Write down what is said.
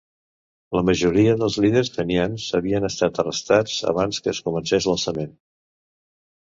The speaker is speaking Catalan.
La majoria dels líders fenians havien estat arrestats abans que es comencés l'alçament.